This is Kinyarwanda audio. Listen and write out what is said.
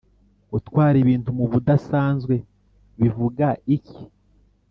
gutwara ibintu mubudasanzwe bivuga iki